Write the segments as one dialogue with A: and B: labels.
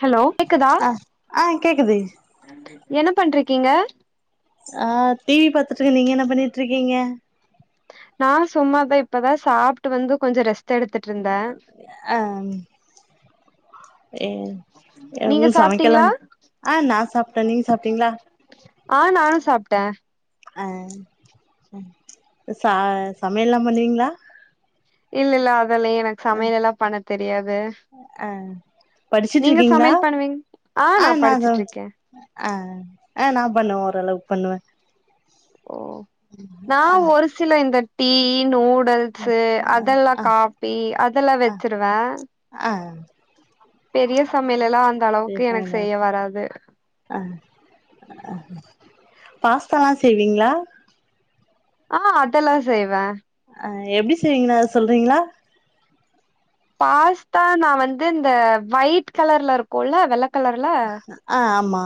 A: Hello கேக்குதா
B: ஆ ஆ கேக்குது
A: என்ன பண்ணிட்ருக்கீங்க
B: ஆ டிவி பாத்துட்ர்க்க நீங்க என்ன பண்ணிட்டு இருக்கீங்க
A: நா சும்மாதா இப்பதா சாப்ட்டு வந்து கொஞ்ச ரெஸ்ட எடுத்துட்டு இருந்த
B: ஆ ஏ
A: நீங்க
B: எதுவு
A: சாப்ட்டீங்களா
B: சமைக்கலான் ஆ நா சாப்ட
A: ஆ நானு சாப்ட்ட
B: ஆ ச சமையலா பண்ணுவீங்களா
A: இல்ல இல்ல அதல்ல எனக்கு சமையல எல்லா பண்ண தெரியாது
B: ஆ
A: நீங்க
B: படிச்சுட்ருக்கீங்களா
A: சமையல் பண்ணுவீங் ஆ நா படிச்சிட்ருக்கே
B: ஆ ஆ நா பண்ணுவே ஓரளவுக்கு பண்ணுவே
A: ஓ நா ஒரு சில இந்த இந்த டீ நூடு ல்ஸ்ஸு அதெல்லா
B: ஆ
A: காபி அதெல்லா வெச்சிருவே
B: ஆ
A: பெரிய சமையல எல்லா அந்த அளவுக்கு எனக்கு
B: சேரிங்க
A: செய்ய வராது
B: ஆ ஆ பாஸ்தலா செய்வீங்களா
A: ஆஹ் அதல்லா செய்வ
B: அ எப்டி செய்வீங்கனாது சொல்றீங்களா
A: பாஸ்தா நா வந்து இந்த ஒயிட் கலர்ல இருக்கோல வெள்ளக்
B: ஆ ஆமா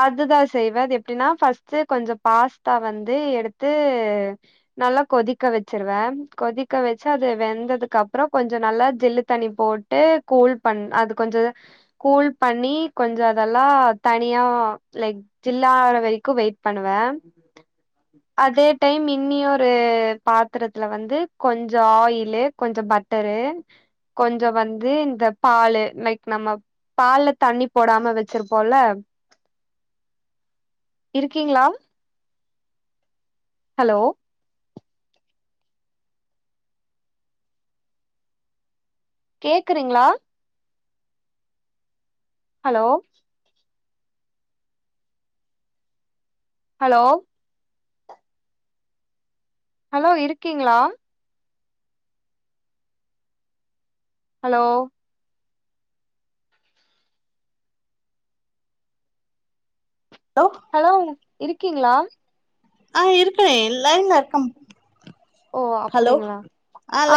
A: அதுதா செய்வ எப்டின்னா ஃபஸ்ட்டு கொஞ்சோ பாஸ்தா வந்து எடுத்து நல்லா கொதிக்க வெச்சிருவ கொதிக்க வெச்சு அது வெந்ததுக்குப்புறோ கொஞ்சோ நல்லா ஜில்லு தண்ணி போட் கூல் பண் அது கொஞ்சோ கூல் பண்ணி கொஞ்சோ அதெல்லா தனியா லைக் ஜில்லாவர வரைக்கு வெயிட் பண்ணுவ அதே டைம் இன்னியோரு பாத்திரத்துல வந்து கொஞ்சோ ஆயிலு கொஞ்சோ பட்டரு கொஞ்சோ வந்து இந்த பாலு லைக் நம்ம பால்ல தண்ணி போடாம வெச்சிருப்போல இருக்கீங்களா ஹலோ கேக்குறீங்களா ஹலோ ஹலோ. ஹலோ இருக்கீங்களா ஹலோ.
B: ஹலோ.
A: ஹலோ இருக்கீங்களா
B: ஆ இருக்க எல்லா இங்க இருக்கம்
A: ஓ அப்புடிங்களா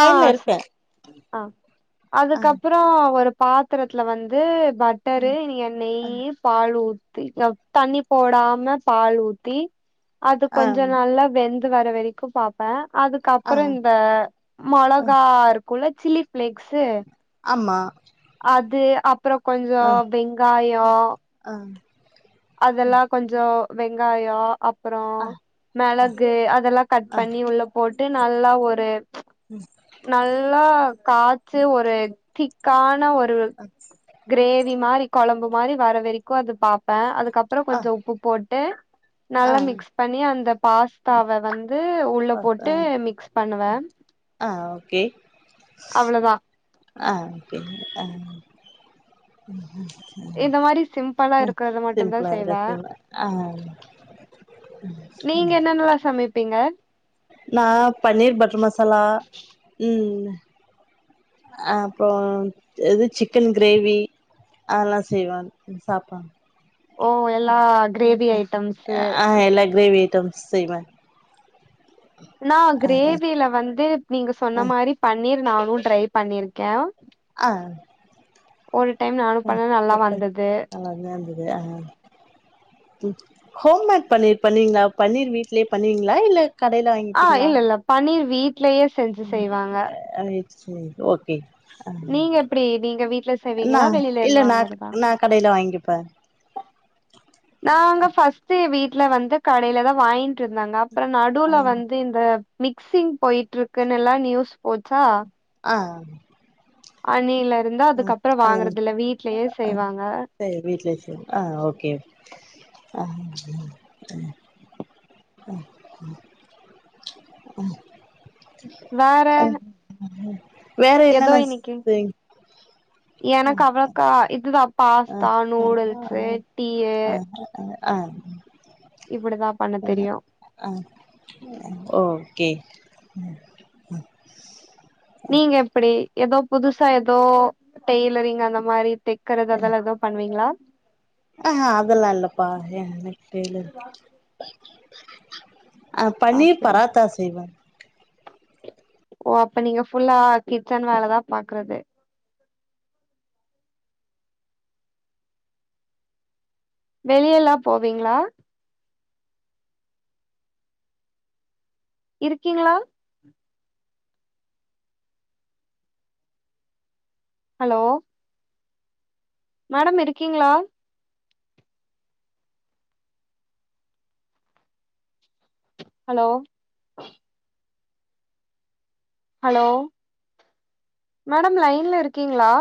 A: ஆ ச
B: இருக்கே
A: அ
B: ஆ
A: அதுக்கப்புறோம் பாத்தரத்துல வந்து பட் டரு நீ
B: ஆ
A: நெய்யி பால் ஊத்தி தண்ணி போடாம பால் ஊத்தி அது
B: ஆ
A: கொஞ்சோ நல்லா வெந்து வர வெரிக்கோ பாப்ப அது
B: ஆ
A: அதுக்கப்புறோ இந்த
B: அ
A: மொளகா இருக்கோல சில்லி ஃபிளேக்ஸு -
B: ஆமா.
A: அது அப்புறோ கொஞ்சோ வெங்காயோ
B: ஆ
A: அதெல்லா கொஞ்சோ வெங்காயோ அப்புறோ
B: அ
A: மெளகு அதெல்லா கட்
B: அ
A: பண்ணி உள்ள போட்டு நல்லா ஒரு நல்லா காய்ச்சு ஒரு திக்கான ஒரு
B: [unintelligible]
A: கிரேவி மாரி கொழம்பு மாரி வர வெரிக்கோ அது பாப்பே அதுக்கப்புறோ கொஞ்சோ உப்பு போட்டு
B: அ
A: நல்லா மிக்ஸ் பண்ணி அந்த பாஸ்தாவ வந்து வந்து உள்ள
B: அ
A: போட்டு மிக்ஸ் பண்ணுவே
B: ஆ ஓகே
A: அவ்ளதா
B: ஆஹ் கே ஆஹ்
A: இந்த மாரி சிம்பல்லா இருக்றத மட்டுந்தா செய்வே
B: இருக்கு ஆ
A: நீங்க என்னென்னலா சமைப்பிங்க
B: நா பன்னீர் பட்ரு மசாலா உம் ஆ அப்றோ எது சிக்கன் கிரேவீ அதல்லா செய்வன் சாப்பா
A: ஓ எல்லா கிரேவி ஐட்டம்ஸு
B: ஆஹ் எல்லா கிரேவி ஐட்டம்ஸ் செய்வே
A: நா
B: ஆ
A: கிரேவில வந்து நீங்க சொன்ன மாரி பன்னீர் நானூ ட்ரை பண்ணிர்க்கே
B: ஆ
A: ஒரு டைம் நானு பண்ணெ நல்லா வந்தது
B: [unintelligible] அஹா ஹோம்மேட் பன்னீர் பண்ணுவிங்ளா பன்னீர் வீட்லே பண்ணுவிங்ளா இல்ல கடையில
A: ஆ
B: வாங்கிப்பிங்ளா
A: இல்ல இல்ல பன்னீர் வீட்லயே செஞ்சு செய்வாங்க
B: ஆ சேர் ஓகே அ
A: நீங்க எப்டீ நீங்க வீட்ல
B: நா
A: செய்வீங்களா வெளியில
B: இல்ல
A: இருந்து
B: நா
A: வாங்கறதா
B: நா கடையில வாங்கிப்பே
A: நாங்க ஃபஸ்ட்டு வீட்ல வந்து கடையிலதா வாய்ன்ட்ருந்தாங்க அப் ப்றொ
B: ஆ
A: நடுல வந்து இந்த மிக்சிங் பொய்ட்ருக்குனுலா நியூஸ் போச்சா
B: ஆஹ்
A: அன்னையிலருந்து அதுக்கப்றொ வாங்கறதில்ல வீட்லயே செய்வாங்க
B: சேர் வீட்லயே செய் ஆ ஓகே ஆ அ
A: வேற
B: அ வேற
A: ஏதோ
B: என்னென
A: இன்னைக்கு
B: செய்
A: எனக்கு அவ்ளோக்கா இதுதா
B: ஆ
A: பாஸ்தா
B: ஆ
A: நூடுல்ஸ்ஸு டீயீ
B: ஆ ஆ
A: இப்பிடிதா பண்ணத்தெரியூ
B: ஆ ஓகே
A: நீங்க எப்டீ எதோ புதுசா எதோ டெய்லரிங் அந்த மாரி தெக்கறது அதெல்லா எதூ பண்ணுவீங்ளா
B: ஆஹ் அதெல்லா இல்லப்பா எனக்கெலு ஆ பன்னீர்
A: அப்டி
B: பராத்தா செய்வே
A: ஓ அப்ப நீங்க ஃபுல்லா கிச்சன் வேலதா பாக்குறது வெளியலா போவெங்ளா இருக்கிங்ளா ஹலோ மேடம் இருக்கிங்ளா ஹலோ ஹலோ மேடம் லைன்ல இருக்கிங்ளா